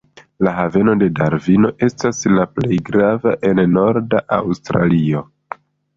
La haveno de Darvino estas la plej grava en norda Aŭstralio.